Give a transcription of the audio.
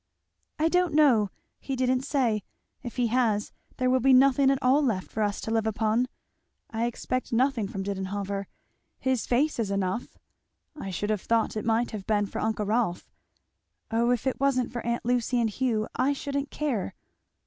"I don't know he didn't say if he has there will be nothing at all left for us to live upon. I expect nothing from Didenhover, his face is enough. I should have thought it might have been for uncle Rolf. O if it wasn't for aunt Lucy and Hugh I shouldn't care!